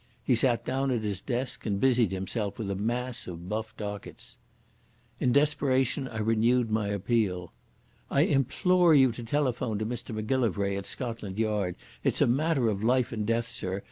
He sat down at his desk, and busied himself with a mass of buff dockets. In desperation I renewed my appeal. "I implore you to telephone to Mr Macgillivray at Scotland Yard. It's a matter of life and death, Sir.